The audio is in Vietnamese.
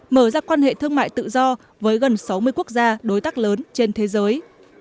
mở ra quan hệ thương mại tự do với gần sáu mươi quốc gia đối tác lớn trên thế giới